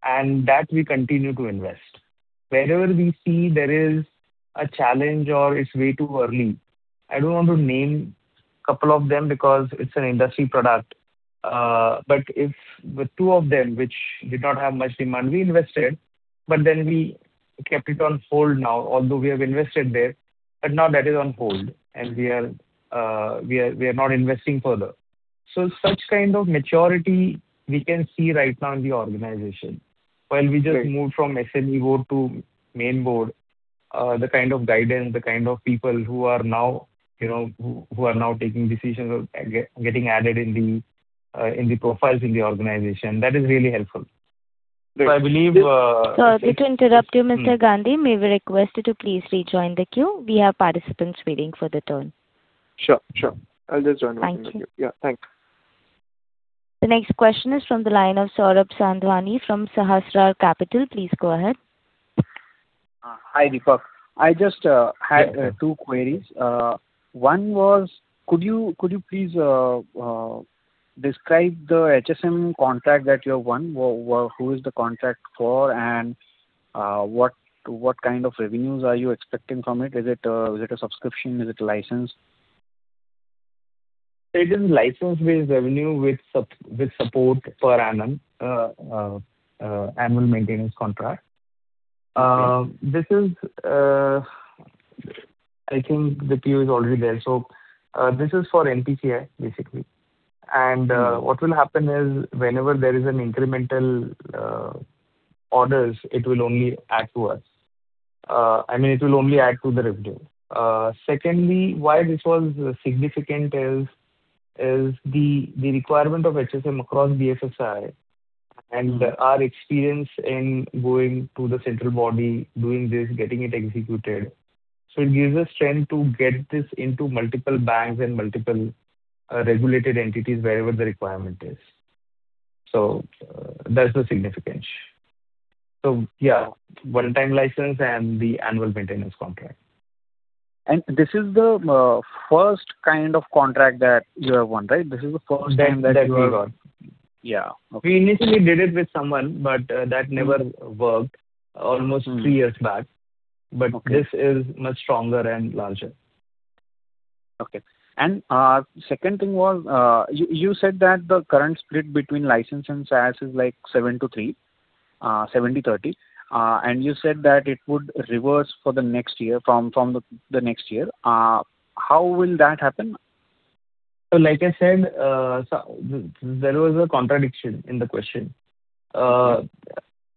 C: and that we continue to invest. Wherever we see there is a challenge or it's way too early, I don't want to name couple of them because it's an industry product. But if the two of them, which did not have much demand, we invested, but then we kept it on hold now, although we have invested there, but now that is on hold and we are not investing further. So such kind of maturity we can see right now in the organization.
K: Right.
C: While we just moved from SME board to main board, the kind of guidance, the kind of people who are now, you know, who are now taking decisions are getting added in the profiles in the organization. That is really helpful.
K: Right.
C: So I believe,
A: To interrupt you, Mr. Gandhi, may we request you to please rejoin the queue? We have participants waiting for the turn.
K: Sure, sure. I'll just join the queue.
A: Thank you.
K: Yeah, thanks.
A: The next question is from the line of Saurabh Sadhwani from Sahasrar Capital. Please go ahead.
L: Hi, Deepak. I just had two queries. One was, could you please describe the HSM contract that you have won? Who is the contract for, and what kind of revenues are you expecting from it? Is it a subscription? Is it a license?
C: It is license-based revenue with support per annum, annual maintenance contract.
L: Yeah.
C: This is, I think the queue is already there. So, this is for NPCI, basically.
L: Mm-hmm.
C: What will happen is, whenever there is an incremental order, it will only add to us. I mean, it will only add to the revenue. Secondly, why this was significant is the requirement of HSM across BFSI-
L: Mm.
C: And our experience in going to the central body, doing this, getting it executed. So it gives us strength to get this into multiple banks and multiple, regulated entities wherever the requirement is. So, that's the significance. So yeah, one-time license and the annual maintenance contract.
L: This is the first kind of contract that you have won, right? This is the first time that you have won.
C: Yeah. We initially did it with someone, but that never worked, almost three years back.
L: Okay.
C: But this is much stronger and larger.
L: Okay. And second thing was, you said that the current split between license and SaaS is, like, 7 to 3, 70/30. And you said that it would reverse for the next year, from the next year. How will that happen?
C: So like I said, so there, there was a contradiction in the question.
L: Okay.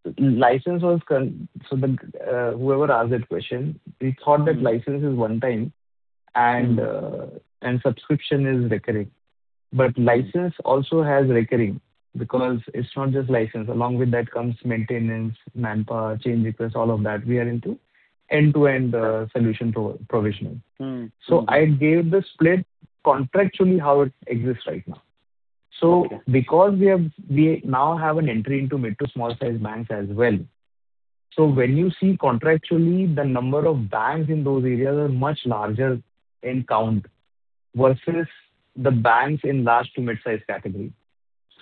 C: So, the whoever asked that question, they thought that license is one time, and
L: Mm-hmm.
C: And subscription is recurring. But license also has recurring, because it's not just license. Along with that comes maintenance, manpower, change requests, all of that we are into, end-to-end solution provisioning.
L: Mm-hmm.
C: I gave the split contractually how it exists right now.
L: Okay.
C: So because we have we now have an entry into mid- to small-sized banks as well, so when you see contractually, the number of banks in those areas are much larger in count versus the banks in large- to mid-sized category.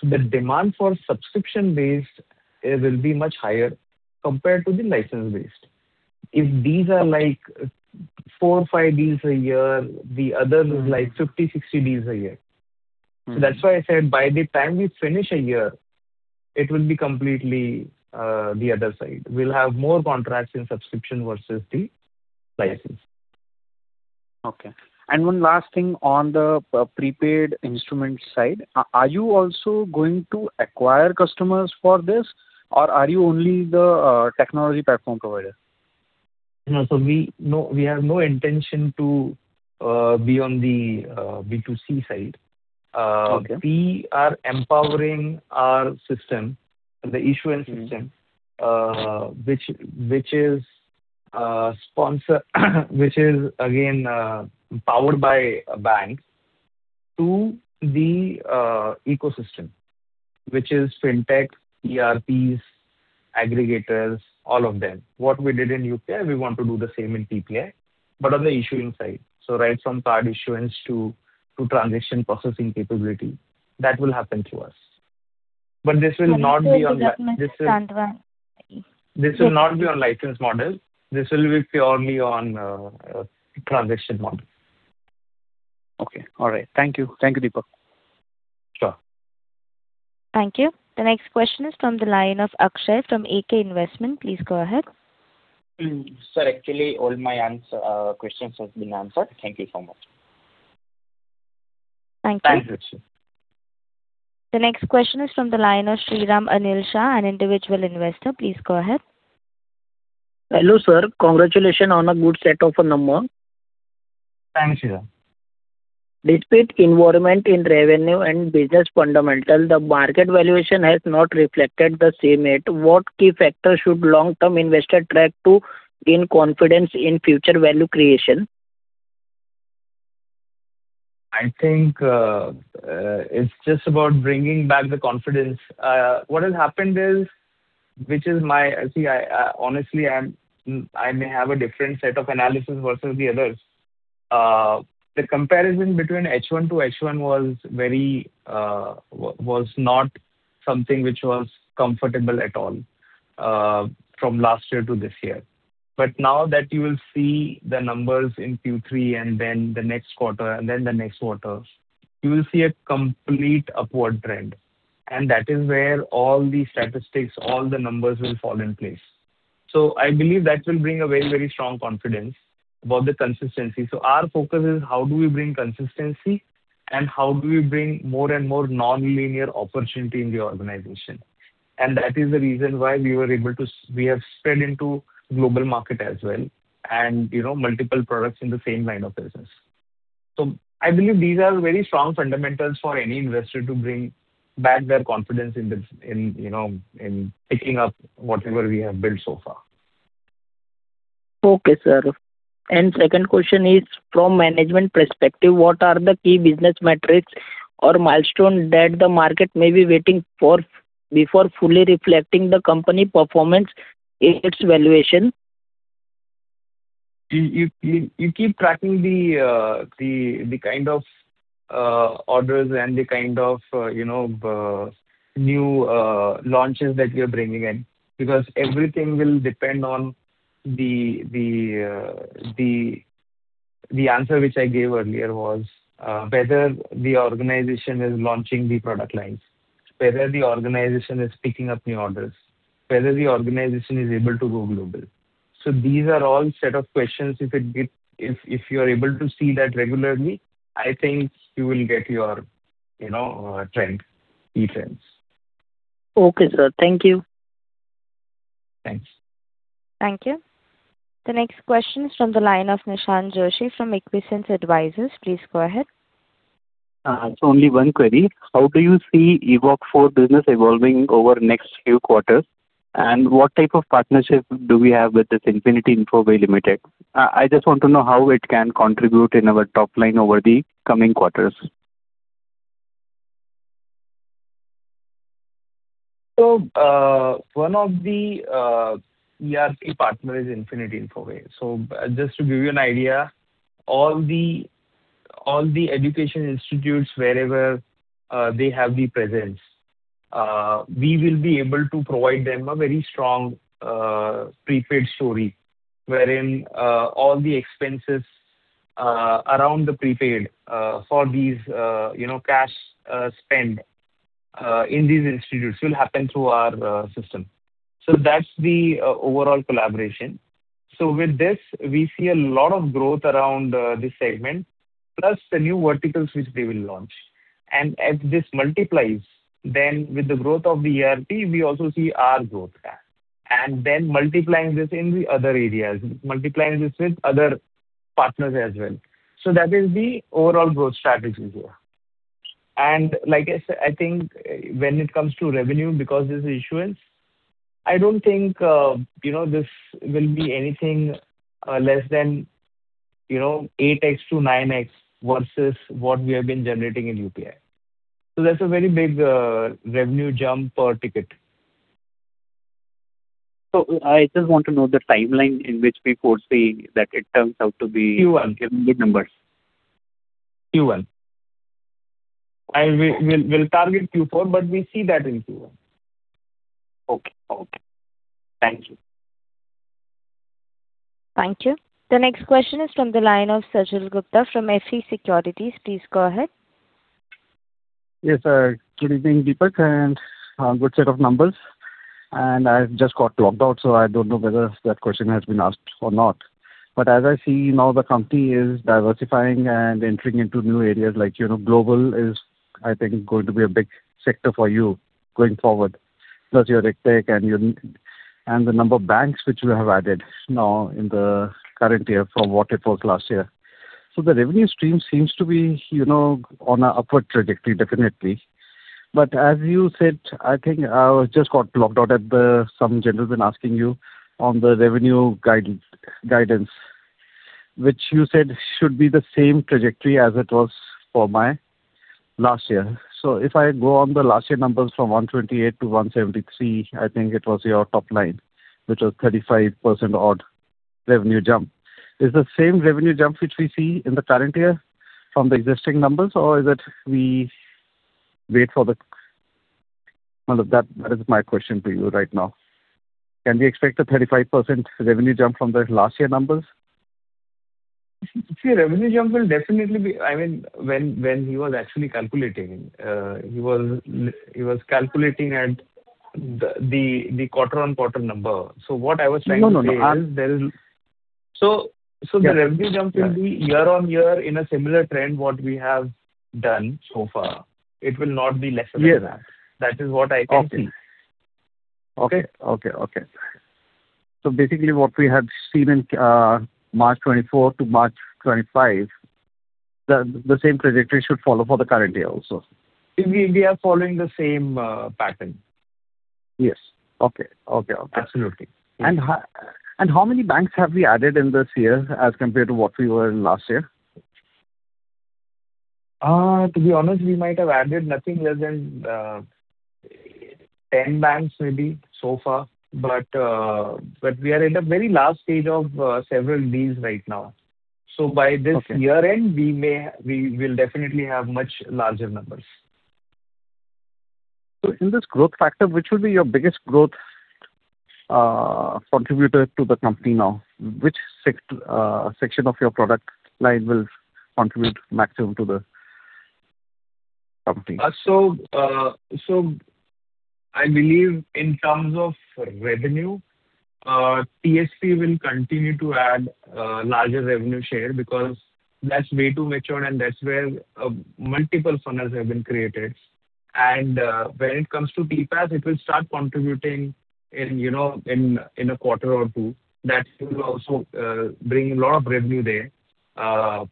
C: So the demand for subscription-based will be much higher compared to the license-based. If these are, like, 4 or 5 deals a year, the other is, like, 50, 60 deals a year.
L: Mm-hmm.
C: So that's why I said by the time we finish a year, it will be completely the other side. We'll have more contracts in subscription versus the license.
L: Okay. One last thing on the prepaid instrument side, are you also going to acquire customers for this, or are you only the technology platform provider?
C: No. No, we have no intention to be on the B2C side.
L: Okay.
C: We are empowering our system, the issuance system, which is sponsor, which is again powered by a bank, to the ecosystem, which is fintech, ERPs, aggregators, all of them. What we did in UPI, we want to do the same in PPI, but on the issuing side. So right from card issuance to transaction processing capability, that will happen through us. But this will not be on- This will not be on license model. This will be purely on a transaction model.
L: Okay, all right. Thank you. Thank you, Deepak.
C: Sure.
A: Thank you. The next question is from the line of Akshay from AK Investment. Please go ahead.
M: Sir, actually, all my questions have been answered. Thank you so much.
A: Thank you.
M: Thank you.
A: The next question is from the line of Shriram Anil Shah, an individual investor. Please go ahead.
N: Hello, sir. Congratulations on a good set of numbers.
C: Thank you, Shriram.
N: Despite environment in revenue and business fundamental, the market valuation has not reflected the same yet. What key factors should long-term investor track to gain confidence in future value creation?
C: I think, it's just about bringing back the confidence. What has happened is, which is my... See, I, honestly, I'm, I may have a different set of analysis versus the others. The comparison between H1 to H1 was very, was not something which was comfortable at all, from last year to this year. But now that you will see the numbers in Q3 and then the next quarter, and then the next quarters, you will see a complete upward trend, and that is where all the statistics, all the numbers will fall in place. So I believe that will bring a very, very strong confidence about the consistency. So our focus is how do we bring consistency, and how do we bring more and more nonlinear opportunity in the organization? That is the reason why we were able to, we have spread into global market as well, and, you know, multiple products in the same line of business. So I believe these are very strong fundamentals for any investor to bring back their confidence in this, in, you know, in picking up whatever we have built so far.
N: Okay, sir. Second question is, from management perspective, what are the key business metrics or milestones that the market may be waiting for before fully reflecting the company performance in its valuation?
C: You keep tracking the kind of, you know, new launches that we are bringing in, because everything will depend on the answer which I gave earlier was whether the organization is launching the product lines, whether the organization is picking up new orders, whether the organization is able to go global. So these are all set of questions. If it give, if you are able to see that regularly, I think you will get your, you know, trend defense.
N: Okay, sir. Thank you.
C: Thanks.
A: Thank you. The next question is from the line of Nishant Joshi from Equisense Advisors. Please go ahead.
E: Only one query: How do you see Evok 4 business evolving over the next few quarters, and what type of partnership do we have with this Infinity Infoway Limited? I just want to know how it can contribute in our top line over the coming quarters.
C: So, one of the ERP partner is Infinity Infoway. So just to give you an idea, all the education institutes wherever they have the presence, we will be able to provide them a very strong prepaid story. Wherein all the expenses around the prepaid for these you know cash spend in these institutes will happen through our system. So that's the overall collaboration. So with this, we see a lot of growth around this segment, plus the new verticals which we will launch. And as this multiplies, then with the growth of the ERP, we also see our growth, and then multiplying this in the other areas, multiplying this with other partners as well. So that is the overall growth strategy here. Like I said, I think, when it comes to revenue, because this is issuance, I don't think, you know, this will be anything less than, you know, 8x-9x versus what we have been generating in UPI. So that's a very big revenue jump per ticket.
E: I just want to know the timeline in which we foresee that it turns out to be-
C: Q1.
E: Good numbers. Q1.
C: And we'll target Q4, but we see that in Q1.
E: Okay. Okay. Thank you.
A: Thank you. The next question is from the line of Sajal Gupta from FE Securities. Please go ahead.
O: Yes, sir. Good evening, Deepak, and good set of numbers. And I just got logged out, so I don't know whether that question has been asked or not. But as I see now, the company is diversifying and entering into new areas like, you know, global is, I think, going to be a big sector for you going forward. Plus your RegTech and your... And the number of banks which you have added now in the current year from what it was last year. So the revenue stream seems to be, you know, on a upward trajectory, definitely. But as you said, I think I just got logged out at the, some gentleman asking you on the revenue guidance, which you said should be the same trajectory as it was for my last year. So if I go on the last year numbers from 128-173, I think it was your top line, which was 35% odd revenue jump. Is the same revenue jump which we see in the current year from the existing numbers, or is it we wait for the... Well, that, that is my question to you right now. Can we expect a 35% revenue jump from the last year numbers?
C: See, revenue jump will definitely be... I mean, when, when he was actually calculating, he was calculating at the quarter-on-quarter number. So what I was trying to say is-
O: No, no, no.
C: So, the-
O: Yeah.
C: Revenue jump will be year-on-year in a similar trend, what we have done so far. It will not be less than that.
O: Yeah.
C: That is what I can see.
O: Okay. Okay, okay, okay. So basically what we have seen in March 2024 to March 2025, the same trajectory should follow for the current year also?
C: We are following the same pattern.
O: Yes. Okay. Okay, okay.
C: Absolutely.
O: And how many banks have we added in this year as compared to what we were in last year?
C: To be honest, we might have added nothing less than 10 banks maybe so far. But, but we are in the very last stage of several deals right now.
O: Okay.
C: So by this year end, we may, we'll definitely have much larger numbers.
O: So in this growth factor, which will be your biggest growth contributor to the company now? Which section of your product line will contribute maximum to the company?
C: So I believe in terms of revenue, TSP will continue to add larger revenue share because that's way too matured and that's where multiple funnels have been created. And when it comes to TPAP, it will start contributing in, you know, a quarter or two. That will also bring a lot of revenue there.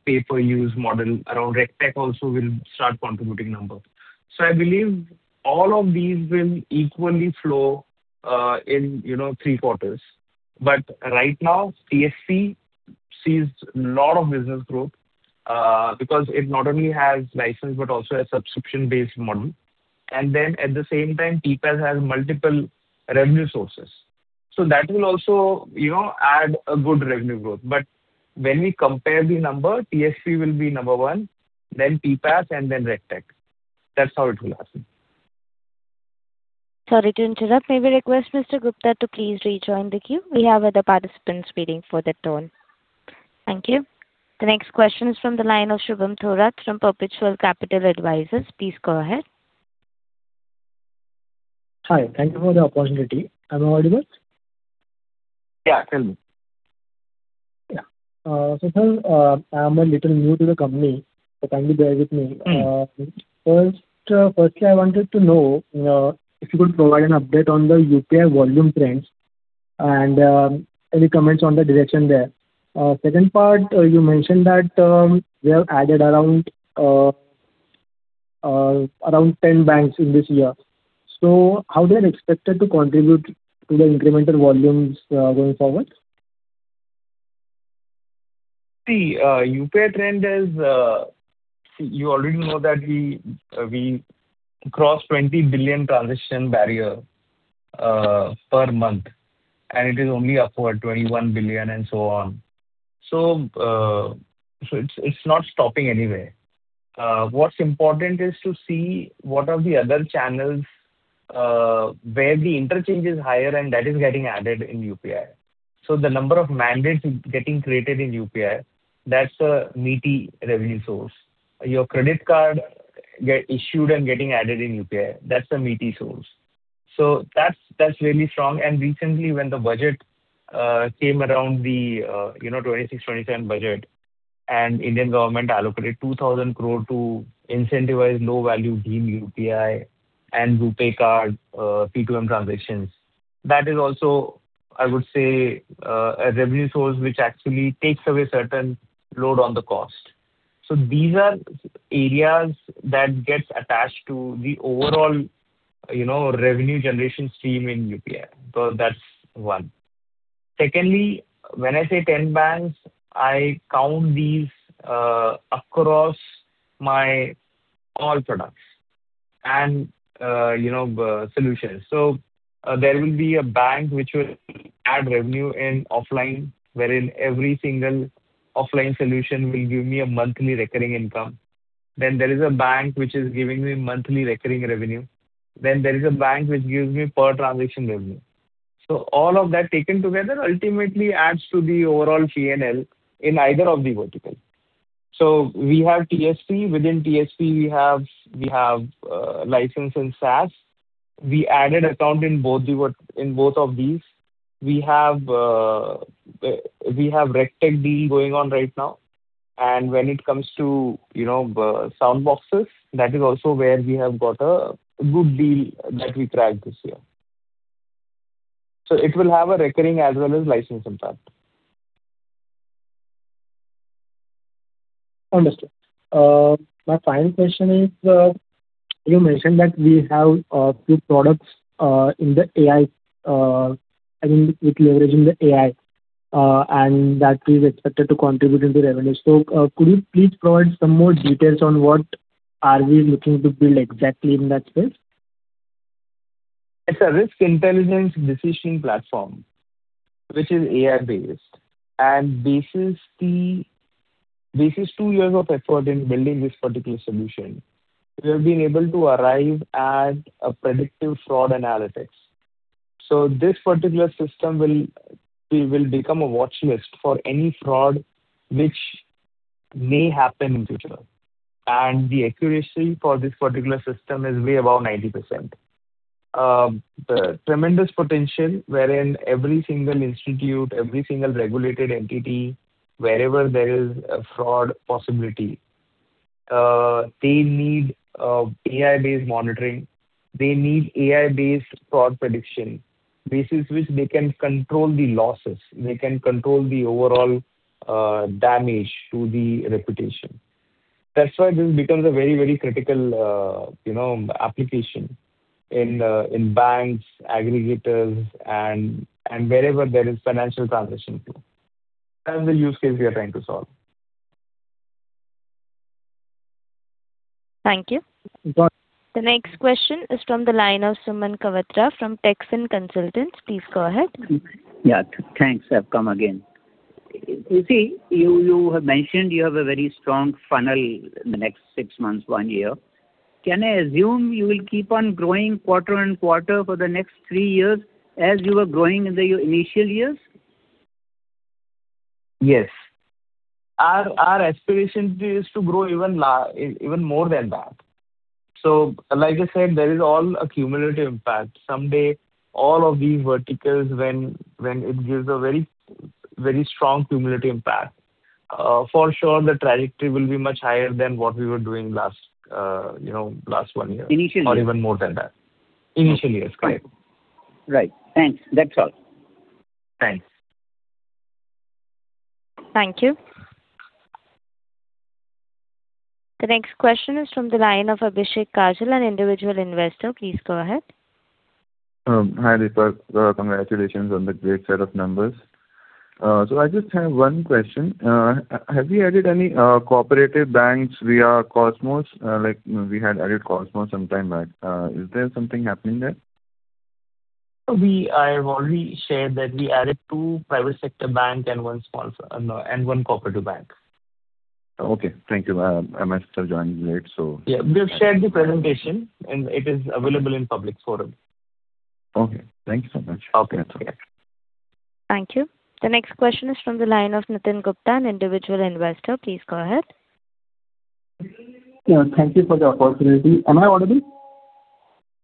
C: Pay-per-use model around RegTech also will start contributing numbers. So I believe all of these will equally flow in, you know, three quarters. But right now, TSP sees a lot of business growth because it not only has license, but also a subscription-based model. And then at the same time, TPAP has multiple revenue sources. So that will also, you know, add a good revenue growth. But when we compare the number, TSP will be number one, then TPAP, and then RegTech. That's how it will happen.
A: Sorry to interrupt. May we request Mr. Gupta to please rejoin the queue? We have other participants waiting for their turn. Thank you. The next question is from the line of Shubham Thorat from Perpetual Capital Advisors. Please go ahead.
P: Hi, thank you for the opportunity. Am I audible?
C: Yeah, tell me.
P: Yeah. So sir, I'm a little new to the company, so kindly bear with me.
C: Mm-hmm.
P: First, firstly, I wanted to know if you could provide an update on the UPI volume trends and any comments on the direction there. Second part, you mentioned that we have added around around 10 banks in this year. So how they are expected to contribute to the incremental volumes going forward?
C: See, UPI trend is, you already know that we, we crossed 20 billion transaction barrier, per month, and it is only upward 21 billion and so on. So, so it's, it's not stopping anywhere. What's important is to see what are the other channels, where the interchange is higher, and that is getting added in UPI. So the number of mandates getting created in UPI, that's a meaty revenue source. Your credit card get issued and getting added in UPI, that's a meaty source. So that's, that's really strong. And recently, when the budget, came around the, you know, 2026, 2027 budget, and Indian government allocated 2,000 crore to incentivize low-value deal UPI and RuPay card, P2M transactions. That is also, I would say, a revenue source which actually takes away certain load on the cost. So these are areas that gets attached to the overall, you know, revenue generation stream in UPI. So that's one. Secondly, when I say 10 banks, I count these across my all products and, you know, solutions. So there will be a bank which will add revenue in offline, wherein every single offline solution will give me a monthly recurring income. Then there is a bank which is giving me monthly recurring revenue. Then there is a bank which gives me per-transaction revenue. So all of that taken together ultimately adds to the overall P&L in either of the verticals. So we have TSP. Within TSP, we have, we have license and SaaS. We added account in both the verticals in both of these. We have RegTech deal going on right now, and when it comes to, you know, soundboxes, that is also where we have got a good deal that we tracked this year. So it will have a recurring as well as licensing part.
P: Understood. My final question is, you mentioned that we have few products in the AI, I mean, with leverage in the AI, and that is expected to contribute in the revenue. So, could you please provide some more details on what are we looking to build exactly in that space?
C: It's a risk intelligence decision platform, which is AI-based, and this is the... This is two years of effort in building this particular solution. We have been able to arrive at a predictive fraud analytics. So this particular system will become a watchlist for any fraud which may happen in future, and the accuracy for this particular system is way above 90%. The tremendous potential, wherein every single institute, every single regulated entity, wherever there is a fraud possibility, they need AI-based monitoring. They need AI-based fraud prediction, basis which they can control the losses, they can control the overall damage to the reputation. That's why this becomes a very, very critical, you know, application in banks, aggregators, and wherever there is financial transaction flow. That's the use case we are trying to solve.
P: Thank you.
C: You're welcome.
A: The next question is from the line of Suman Kawatra from Techfin Consultants. Please go ahead.
G: Yeah, thanks. I've come again. You see, you have mentioned you have a very strong funnel in the next six months, one year. Can I assume you will keep on growing quarter and quarter for the next three years, as you were growing in the initial years?
C: Yes. Our aspiration is to grow even more than that. So like I said, there is a cumulative impact. Someday, all of these verticals, when it gives a very, very strong cumulative impact, for sure, the trajectory will be much higher than what we were doing last, you know, last one year-
G: Initially.
C: or even more than that. Initial years, correct.
G: Right. Thanks. That's all.
C: Thanks.
A: Thank you. The next question is from the line of Abhishek Kajal, an individual investor. Please go ahead.
Q: Hi, Deepak. Congratulations on the great set of numbers. So I just have one question. Have you added any cooperative banks via Cosmos? Like we had added Cosmos sometime back. Is there something happening there?
C: I have already shared that we added two private sector bank and one sponsor and one cooperative bank.
Q: Okay, thank you. I might have joined late, so-
C: Yeah, we've shared the presentation, and it is available in public forum.
Q: Okay, thank you so much.
C: Okay.
Q: That's okay.
A: Thank you. The next question is from the line of Nithin Gupta, an individual investor. Please go ahead.
R: Yeah, thank you for the opportunity. Am I audible?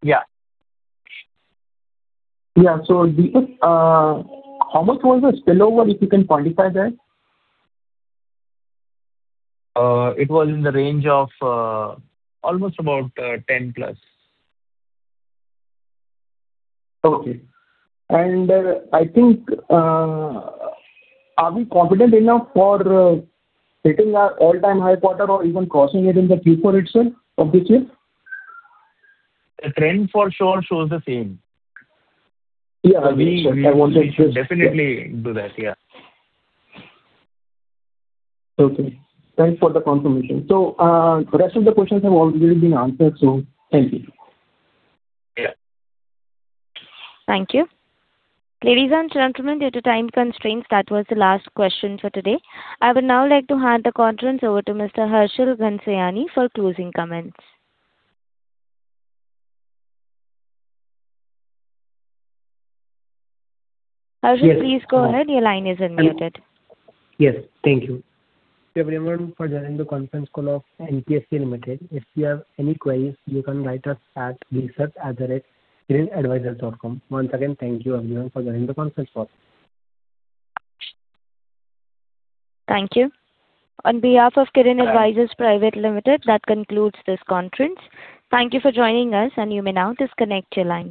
C: Yeah.
R: Yeah, so Deepak, how much was the spillover, if you can quantify that?
C: It was in the range of almost about 10+.
R: Okay. And, I think, are we confident enough for hitting our all-time high quarter or even crossing it in the Q4 itself of this year?
C: The trend for sure shows the same.
R: Yeah.
C: We will definitely do that, yeah.
R: Okay. Thanks for the confirmation. So, rest of the questions have already been answered, so thank you.
C: Yeah.
A: Thank you. Ladies and gentlemen, due to time constraints, that was the last question for today. I would now like to hand the conference over to Mr. Harshil Ghanshyani for closing comments. Harshil, please go ahead. Your line is unmuted.
B: Yes, thank you. Thank you, everyone, for joining the conference call of NPST Limited. If you have any queries, you can write us at research@kirinadvisors.com. Once again, thank you, everyone, for joining the conference call.
A: Thank you. On behalf of Kirin Advisors Private Limited, that concludes this conference. Thank you for joining us, and you may now disconnect your line.